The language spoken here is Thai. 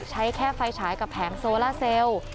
ใช้แค่ไฟฉายกับแผงโซล่าเซลล์